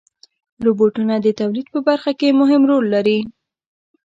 روبوټونه د تولید په برخه کې مهم رول لري.